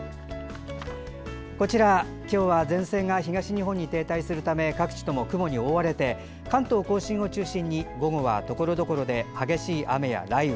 今日は、前線が東日本に停滞するため各地とも雲に覆われて関東・甲信を中心に午後はところどころで激しい雨や雷雨。